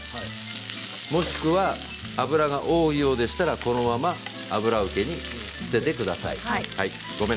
もしくは油が多いようでしたらこのまま油受けに捨ててください。